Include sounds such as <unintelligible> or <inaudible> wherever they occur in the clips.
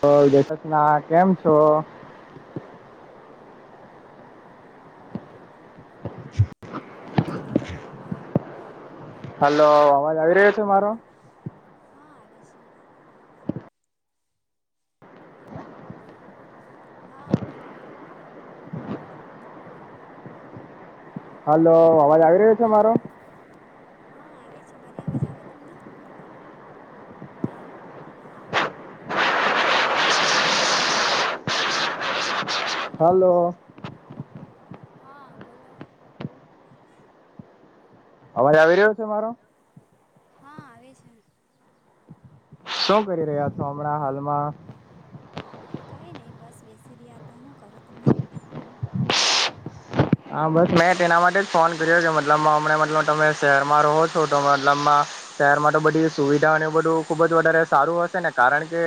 તો <unintelligible> ના કેમ છો. <inaudible> <inaudible> હલો અવાજ આવી રહ્યો છે મારો. હા આવે છે. હા બોલો. હલો અવાજ આવે. હલો હા આવે છે મારી અવાજ આવે તમને. હલો હા બોલો. અવાજ આવી રહ્યો છે મારો. હા આવે છે. શું કરી રહ્યા છો હમણાં હાલમાં. કંઈ નહીં બસ બેસી રહ્યાતા હું કરો તમે. હા બસ મેં તેના માટે જ ફોન કર્યો કે મતલબમાં હમણા મતલબ તમે શહેરમાં રહો છો તો મતલબમાં શહેરમાં તો બધી સુવિધા અને એ બધું ખુબ જ વધારે સારું હશે ને કારણ કે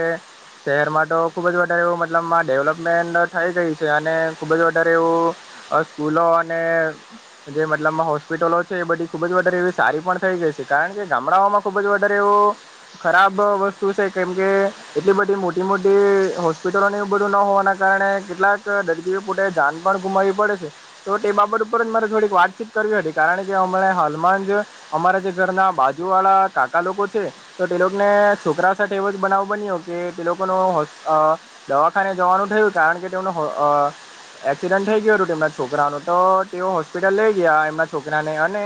શહેરમાં તો ખુબ જ વધારે એવું મતલબમાં ડેવલપમેન્ટ થઈ ગયું છે અને ખુબ જ વધારે એવું આ સ્કૂલો તો અને ને જે મતલબમાં હોસ્પિટલો છે એ બધી ખુબ જ વધારે એવી સારી પણ થઈ ગઈ છે કારણ કે ગામડાઓમાં ખુબ જ વધારે એવું ખરાબ વસ્તુ છે કેમ કે એટલી બધી મોટી મોટી હો હોસ્પિટરોને એવું બધું ના હોવાના કારણે કેટલાક દર્દીઓ પોતે જાન પણ ગુમાવવી પડે છે તો તે બાબ ઉપર જ મારે થોડીક વાતચીત કરવી હતી કારણ કે હમણે હાલમાં જ અમારા જે ઘરના બાજુ વાળા કાકા લોકો છે તો તે લોકોને છોકરા સાથે એવો જ બનાવ બન્યો કે તે લોકોનો હો આ દવાખાને જવાનું થયું કારણ કે તેમનો આ એક્સિડન્ટ થઈ ગયુ હતું તેમના છોકરાનું તો આ તેઓ હોસ્પિટલ લઈ ગયા એમના છોકરાને અને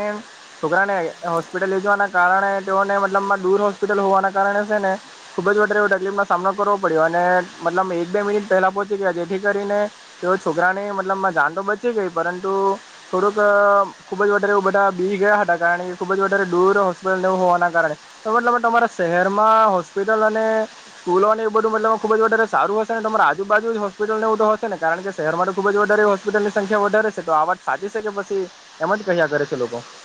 છોકરાને હોસ્પિટલ લઈ જવાના કારણે તેઓને મતલબમાં દૂર હોસ્પિટલ હોવાના કારણે છે ને ખૂબ જ વધારે એવુ તકલીફનો સામનો કરવો પડ્યો અને મતલબ એક બે મિનિટ પહેલા પહોંચી ગયા જેથી કરીને તેઓ છોકરાની મતલબમાં જાન તો બચી ગઈ પરંત એ પરંતુ થોડુંક ખૂબ જ વધારે એવું બધા બી ગયા હતા કારણ કે ખૂબ જ વધારે દૂર હોસ્પિટલ નેવું હોવાના કારણે ના કારણે તો મતલબમાં તમારા શહેરમાં હોસ્પિટલ અને સ્કૂલોની બધું મતલબ સારું હશે ને તમારા આજુ-બાજુ જ હોસ્પિટલ ને બધું હશેને કારણ કે શહેરમાં ખૂબ જ વધારે હોસ્પિટલની સંખ્યા વધારે છે. સંખ્યા વધારે છે તો આ વાત સાચી છે કે પછી એમ જ કર્યા કરે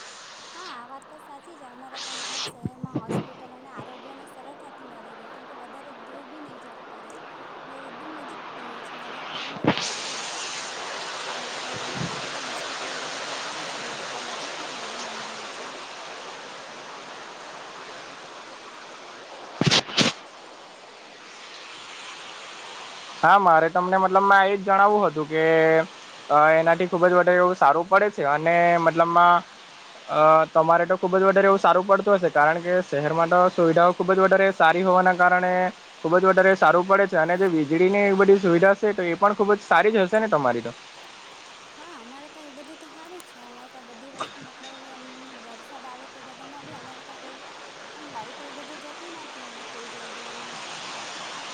છે લોકો. હા આ વાત તો સાચી છે અમારે ત્યાં મતલબ શહેરમાં હોસ્પિટલ અને આરોગ્યને સરળતાથી મળી રહી કેમકે વધારે દૂર બી નહી જવું પડે નહી એકદમ નજીક હોય છે વધારે ટાઈમ બી નહીં લાગે ને હું મતલબ એ એના માટે તો હોસ્પિટલ એ બધી તો હારી છે અમારે ત્યાં નજીકમાં જ બધું મળી રહી છે. હા મારે તમને મતલબ મા એ જ જણાવવું હતું કે આ એનાથી ખુબ જ વધારે એવું સારું પડે છે અને મતલબમાં અ તમારે તો ખુબ જ વધારે એવું સારું પડતું હશે કારણ કે શહેરમાં તો સુવિધાઓ ખુબ જ વધારે સારી હોવાના કારણે ખુબ જ વધારે સારું પડે છે. અને જે વીજળી ને એ બધી સુવિધા હશે તો એ પણ ખુબ જ સારી જ હશે ને તમારી તો. હા અમારે તા એ બધું તો હારું જ છે અમારે તો બધી વસ્તુ મતલબ એમ વા <unintelligible> આવે તે બધામાં બી અમારે ત્યાં કંઈ કેમ લાઈટ એવું બધું જતી નથી, એમ કોઈ જલ્દી એમ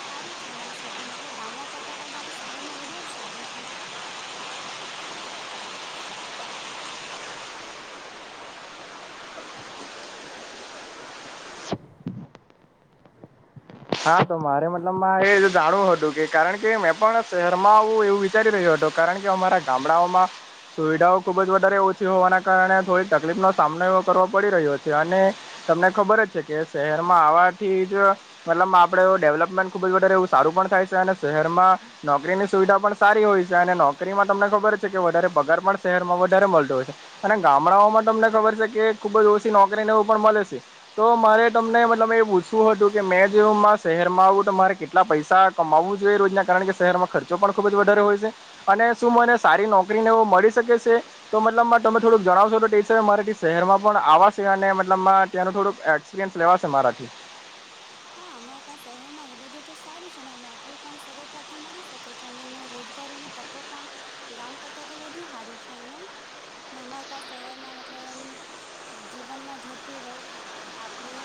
હારું છે. અમારા સિટીમાં મતલબ ગામડા કરતા તો અમારા શહેરમાં બધું સારું છે. હા. તો મારે મતલબમાં એ જાણવું હતું કે કારણ કે મેં પણ શહેરમાં આવુ એવું વિચારી રહ્યો હતો. કારણ કે અમારા ગામડાઓમાં સુવિધાઓ ખુબ જ વધારે ઓછી હોવાના કારણે થોડી તકલીફનો સામનો એવો કરવો પડી રહ્યો છે. અને તમને ખબર જ છે કે, શહેરમાં આવાથી જ મતલબ આપડે ડેવલપ ખુબ જ વધારે એવું સારું પણ થાય છે અને શહેરમાં નોકરીની સુવિધા પણ સારી હોય છે અને નોક રીમાં તમને ખબર છે કે, વધારે પગાર પણ શહેરમાં વધારે મળતો હોય છે અને ગામડાઓમાં તમને ખબર છે કે, ખુબ જ ઓછો નોકરી નેવું પણ મલે છે. તો મારે તમને મતલબમાં એ પૂછવું હતું કે, મેં જેવુ શહેરમાં આવું તો તમારે કેટલા પૈસા કમાવવું જોઈએ, રોજના કારણ કે, શહેરમાં ખર્ચો પણ ખુબ જ વધારે હોય છે. અને શું મને સારી નોકરી ને એવું મળી શકે છે? તો મતલબ તમે થોડુંક જણાવશો તો તે હિસાબે મારાથી શહેરમાં પણ આવાશે અને મતલબમાં ત્યાંનું થોડુંક એક્સપિરિયન્સ લેવાશે મારાથી. હા અમારા ત્યાં શહેરમાં એ બધું તો સારું છે. ને નોકરી પણ સરળતાથી મળી શકે છે અહીંયા, ને રોજગારીની તકો પણ ગામ કરતા તો વધુ હારી છે અહિયાં. ને અમારતા શહેરમાં મતલબ એમ જીવનમાં ઝડપી બસ એટલે આપણે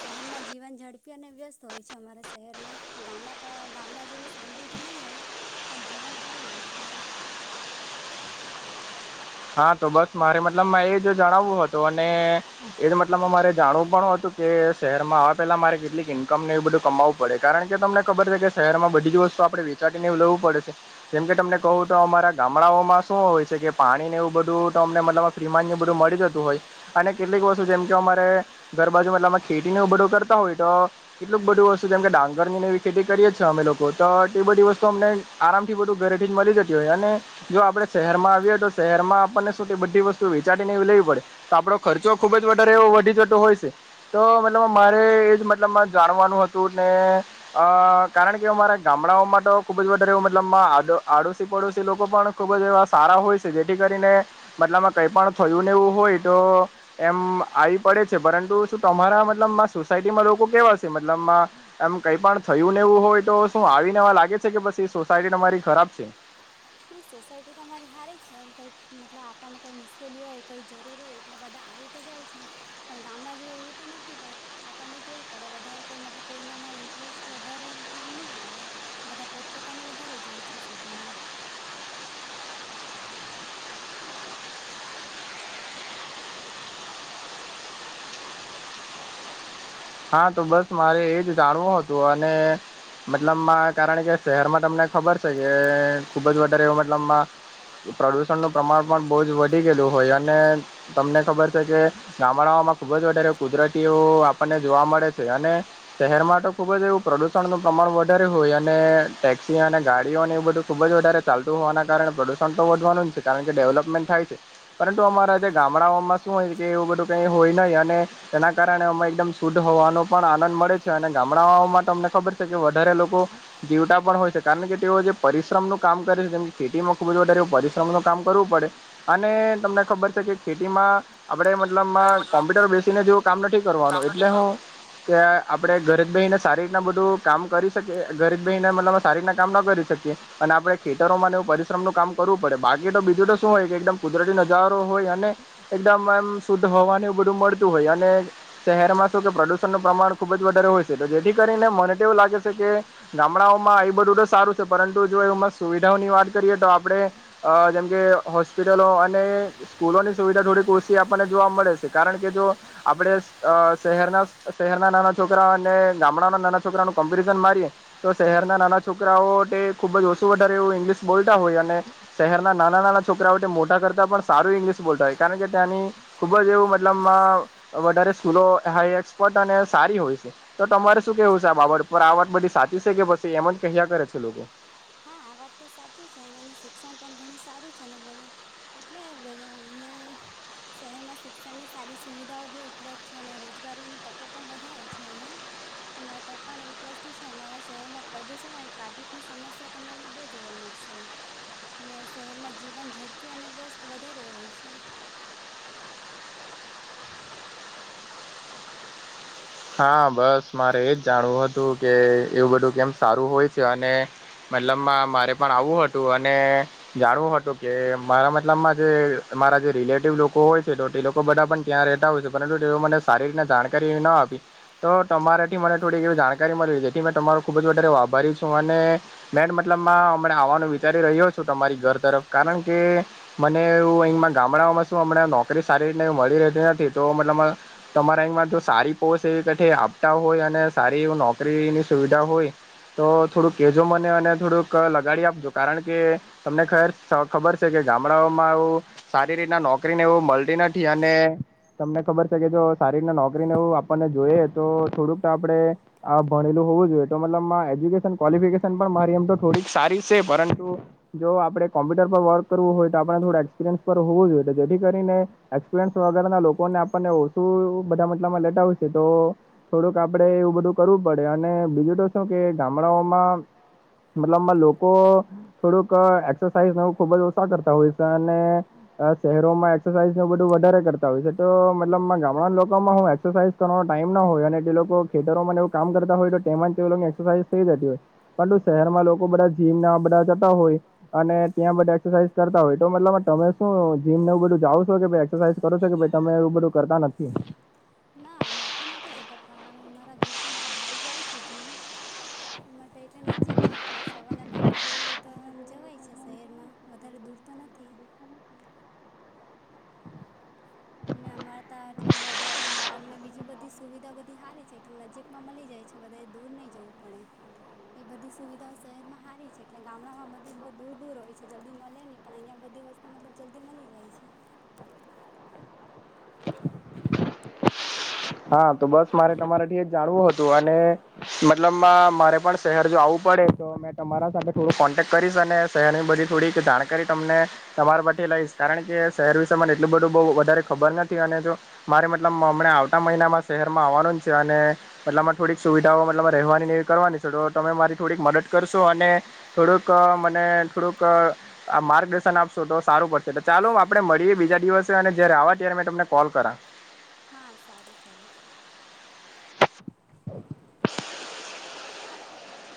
શહેરમાં જીવન ઝડપી અને વ્યસ્ત હોય છે. અમારે શહેરમાં ગામડા ક ગામડા જેવી શાંતિ તો ની હોય. પણ જીવન હારું હોય છે. અહીંયા <inaudible> હા તો બસ મારે મતલબ માં એ જ જણાવવું હતું અને એ જ મતલબમાં મારે જાણવું પણ હતું કે, શહેરમાં આવવા પેલા મારે કેટલીક ઈન કમ ને એવુ બધું કમાવુ પડે કારણ કેમ ખબર છે કે શહેરમા બધી જ વસ્તુ આપણેે વેચાતી ને એવું લેવું પડે જેમકે તમને કહું તો અમારા ગામડાઓમાં શું હોય છે કે પાણી ને એવું બધું તો અમને મતલબમાં ફ્રીમાજ નેબધું મળી જતું હોય અને કેટલીક વસ્તુ જેમ કે અમારે ઘરબાજુ એટલેમાં ખેતી ને બધું કરતા હોય તો કેટલુંક બધું વસ્તુ શું જેમ કે ડાંગરની એવી ખેતી કરીએ જ છ અમે લોકો તો એ બધી વસ્તુ અમને આરામથી બધું ઘરેથી જ મળી જતી હોય અને જો આપડે શહેરમાં આવીએ તો શહેરમાં આપણને શું બધી વસ્તુ વેચાતીને એવી લેવી પડે તો આપણો ખર્ચો ખુબ જ વધારે એવો વધી જતો હોય છે. તો મતલબ મારે એજ મતલબ જાણવાનું હતું ને અ કારણ કે અમારા ગામડાઓમાં તો ખુબ જ વધારે એવું મતલબ આડોશી પાડોશી લોકો પણ ખુબ જ એવા સારા હોય છે. જેથી કરીને મતલાબમાં કંઈ પણ થયું નેવું હોય તો એમ આવી પડે છે પરંતુ તમારા મતલબ સોસાયટીમાં લોકો કેવા છે મતલબ માં એમ કઈ પણ થયું ને એવું હોય તો શું આવીને એવા લાગે છે કે પછી એ સોસાયટી તમારી ખરાબ ની સોસાયટી તો અમારી હારી જ છે એમ કંઈ મતલબ આપણને કંઈ મુશ્કેલી હોય કઈ જરૂર હોય એટલે બધા આવી આવી તો જાય છે પણ ગામડા જે એવું તો નથી પણ આપણને કેવું પડે વધારે કોઈ મતલબ કોઈનામાં ઇન્ટરેસ્ટ વધારે મતલબ ની આવે બધા પોતપોતાનું વધારે જ હોય છે સિટી માં <unintelligible> તો બસ મારે એ જ જાણવું હતું અને મતલબ કારણ કે શહેરમાં તમને ખબર કે ખૂબ જ વધારે એવ મતલબમાં પ્રદૂષણનું પ્રમાણ પણ બહુ જ વધી ગયેલું હોય અને તમને ખબર છે કે ગામડાઓમાં ખુબ જ વધારે કુદરતી એવું આપણને જોવા મળે છે અને શહેર તો ખુબ જ એવું પ્રદુષણ નું પ્રમાણ વધારે હોય અને ટેક્સી અને ગાડીઓને એ બધું ખુબ જ વધારે ચાલતું હોવાના કારણે પ્રદુષણ તો વધવાનું છે કારણ કે ડેવલપમેન્ટ થાય છે. પરંતુ અમારા જે ગામડાઓમાં શું હોય છે કે એવું બધું કંઈ હોય નહીં અને તેના કારણે અમે એકદમ શુદ્ધ હવા પણ આનંદ મળે છે અને ગામડાઓમાં તમને ખબર છે કે વધારે લોકો જીવતા પણ હોય છે કારણ કે તેઓ જે પરિશ્રમનું કામ કરે છે જેમ કે ખેતીમાં ખુબ જ વધારે પરિશ્રમ ન કામ કરવું પડે અને તમને ખબર છે કે ખેતીમાં આપડે મતલબમાં કોમ્પ્યુટર બેસીને જેવું કામ નથી કરવાનું એટલે હું કે આપણે ઘરે બહીને સારી રીતના બધું કામ કરી શકીએ ઘરીબ બાઈને મતલબ સારી રીતના કામ ન કરી શકીએ અને આપડણે ખેટરો માંને એવું પરિશમનું કામ કરવું પડે બાકી તો બીજું તો શું હોય કે એકદમ કુદરતી નજારો હોય અને એકદમ એમ શુદ્ધ હવાનું બધું મળતું હોય અને શહેરમાં તો પ્રદસુશન પ્રમાણ ખુબ જ વધારે હોય છે તો જેથી કરીને મને તેવું લાગે છે કે ગામડાઓમાં આ બધું ર સારું છે પરંતુ જો એ સુવિધાઓની વાત કરીએ તો આપણેે જેમકે હોસ્પિટલો અને સ્કૂલોની િધ થોડીક ઓછી આપને જોવા મળે છે કારણ કે જો આપણે શહેરના શહેરના નાના છોકરા અને ગામડાના નાના છોકરાુંમ્પેરિઝન મારીએ તો શહેર નાના છોકરાઓ ખુબ જ ઓછું વારે એવું ઇંગ્લિશ બોલ હોય અને શહેરના નાના નાના છોકરાઓ મોટા કરતા પણ સારું ઇંગ્લિશ બોલતા હોય કારણ કે ત્યાંની ખુબ જ એવું મતલબ વધારે સ્ૂલો એક્સપર્ટ અને સારી હોય છે તો તમારે શું કેવું છેહેબ બાબત પર આ વાત બધી સાચી છે કે તે એમ જ કહ્યા કરે છે લોકો હા વાત તો સાચી છે અહિયાંનું શિક્ષણ પણ ઘણું સારું છે ને હવે એટલે ભેગ અહિયાં શહેરમાં શિક્ષણની સારી સુવિધાઓ બી ઉપલબ્ધ છે અને રોજગારીની તકો પણ વધારે છે અહીંયા અમારે ત પણ એક વસ્તુ છે અમારા શહેરમાં પ્રદુષણ અને ટ્રાફિકની સમસ્યા તમને અહીંયા બહુ જોવા મળશે ને શહેરમાં જીવન ઝડપી અને વ્યસ્ત વધારે હોય છે હા બસ મારે એ જ જાણવું હતું કે એવું બધું કેમ સારું હોય છે અને મતલબમાં મારે પણ આવું હતું અને જાણવું હતું કે મારા મતલબમાં જે તમારા જે રિલેટિવ લોકો હોય છે તો તે લોકો બધા પણ ત્યાં રહેતા હોય છે પરંતુ તેઓ મને સારી રીતના જાણકારી એવી ના આપી તો તમારાથી મને થોડીક એવી જાણકારી મળવી જેથી મે તમાર ખુબ જ વધારે વાભારી છું. અને મેન મલમાં હમ હવાનું વિચારી રહ્યો છું તમારી ઘર તરફ કારણ કે મને એવું અહીંમાં ગામડાઓમાં. હમણાં નોકરી સારી રીતે મળી રહેતી નથી, તો મતલબ તમારા અમાં જો સારી. કોસ એવીઠ આપતા હોય અને સારી એ નોકરીની સુવિધા હોય તો. થોડું કેજો મને અને થોડુંક લગાડી આપજો કારણ કે તમને ખે ખબર છે, કે ગામડાઓમાં આવું સારી રીતના નો નોકરીને એવું મળતી નથી અને તમને ખબર છે કે જો સારી રીત નોકરીને એવું. આપણને જોઈએ તો થોડુંક આપણે. આ ભણેલું હોવું જોઈએ તો મતલબ એજ્યુકેશન કોલિફિકેશન પણ થોડી સારી છે, પરંતુ જો આપડે કોમ્પ્યુટર પર વર્ક કરવું હોય તો આપણે થોડા એક્સપિરિયન્સ હોવું જોઈએ જેથી કરીને એક્સપિરયન્સ વગેરેના લોકો ને આપણને ઓછું બધા મતલામાં લેટા હો તે તો થોડુંક આપણે એવું બધું કરવું પડે અને બીજું તો શું કે ગામડાઓમાં. મતલબમાં લોકો થોડુંક એક્સરસાઇઝ ન ખુબ જ ઓછા કરતા હોય છે અને શહેરોમાં એક્સરસાઇઝ નું બધું વધારે કરતા હોય છે તો મતલબ ગામડા લોકોમાં હું એક્સરસાઝ નો ટાઈમ ના હોય અને તે લોકો ખેતરોમાં એવુ કામ કરતા હોય તો તેમાં જ તે લોકોની એક્સરસાઇઝ થઈ જતી હોય. પણ શહેરમાં લોકો બધા જીમ ના બધા જતા હોય અને ત્યાં બધા એક્સરસાઝ કરતા હોય તો મતલબ. તમે શું જીમ ને એવું બધું જાવ છો કે એક્સરસાઇઝ કરો છો કે તમે એવું બધું કરતા નથી. ના મેં તો નથી કતા પણ મારા ઘરથી મારા ભાઈ જાય છે જિમ માટે એટલે નજીક એટલે સવારના ટાઈમ પર જવું હોય તો આમ જવાય છે, શહેરમાં વધારે દૂર તો નથી. ને અમારા ત્યા એટલે બજારો મોલ ને બીજી બધી સુવિધા બધી સારી છે એટલે નજીક. માં મળી જાય છે વધધારે દૂર નહીં જવું પડે. એ બધી સુવિધાઓ શહેરમાં સારી છે એટલે ગામડામાં બધું બહુ દૂર દૂર હોય છે જલ્દી મળે નહીં. પણ અહિયાં બધી વસ્તુ મતલબ જલ્દી મળી જાય છે. હા તો બસ મારે તમારાથી એ જ જાણવું હતું અને મતલબ મારે પણ શહેર જો આવવું પડે. તો મેં તમારા સાથે થોડું કોન્ટેક કરીશ અને શહેરની બધી થોડીક જાણકારી તમને તમારા માટેથી લઈશ. કારણ કે શહેર વિશે મ એટલું બધું બ વધારે ખબર નથી અને જો મારે મતલબ હમણા આવતા મહિનામાં. શહેરમાં આવવાનું જ છે અને એતલબમાં થોડીક સુવિધાઓ મતલબમાં રહેવાની એ કરવાની છે તો તમે મારી થોડીક મદદ કરશો અને થોડુંક મને થોડુંક માર્ગદર્શન આપશો તો સારું પડશે તો સારું કો છે ચાલો આપણે મળીએ બીજા દિવસે અને જયારે આવવા ત્યારે મેં તમને કોલ કરાવી હા સારું ચાલો. <inaudible>